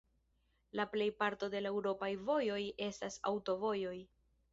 La plejparto de la Eŭropaj Vojoj estas aŭtovojoj.